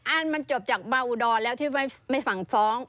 อันนี้มันจบจากบรรวดอนแล้วที่ฝั่งฟ้อง